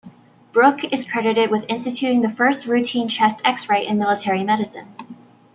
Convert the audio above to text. Brooke is credited with instituting the first routine chest X-ray in military medicine.